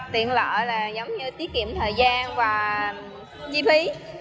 tiện lợi là giống như tiết kiệm thời gian và chi phí